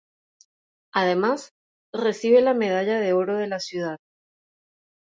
Además, recibe la Medalla de Oro de la Ciudad.